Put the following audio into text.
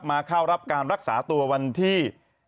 เข้ารับการรักษาตัววันที่